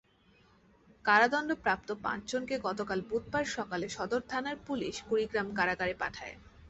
কারাদণ্ডপ্রাপ্ত পাঁচজনকে গতকাল বুধবার সকালে সদর থানার পুলিশ কুড়িগ্রাম কারাগারে পাঠায়।